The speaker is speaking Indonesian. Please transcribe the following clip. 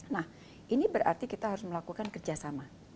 nah ini berarti kita harus melakukan kerjasama